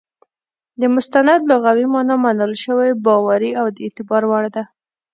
د مستند لغوي مانا منل سوى، باوري، او د اعتبار وړ ده.